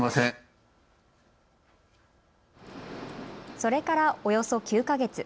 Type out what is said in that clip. それから、およそ９か月。